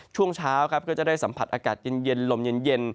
ช่วงเช้าครับก็จะได้สัมผัสอากาศเย็นลมเย็น